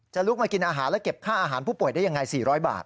ลุกมากินอาหารและเก็บค่าอาหารผู้ป่วยได้ยังไง๔๐๐บาท